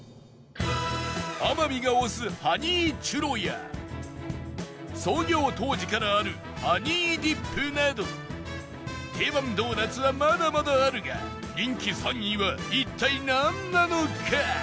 天海が推すハニーチュロや創業当時からあるハニーディップなど定番ドーナツはまだまだあるが人気３位は一体なんなのか？